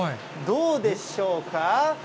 どうでしょうか？